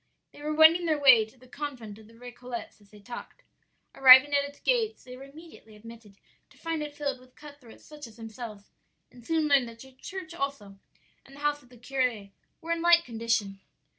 "They were wending their way to the convent of the Récollets as they talked. Arrived at its gates they were immediately admitted, to find it filled with cut throats such as themselves, and soon learned that the church also and the house of the curé were in like condition.